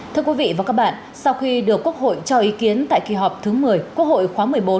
thưa quý vị và các bạn sau khi được quốc hội cho ý kiến tại kỳ họp thứ một mươi quốc hội khóa một mươi bốn